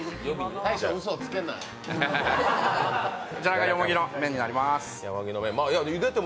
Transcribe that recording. こちらがよもぎの麺になります。